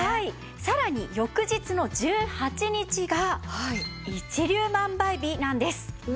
さらに翌日の１８日が一粒万倍日なんです。